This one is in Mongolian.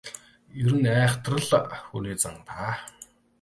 Ер нь айхавтар л хүний зан даа.